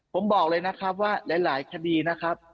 ผมบอกเลยนะครับว่าหลายคดีนะครับ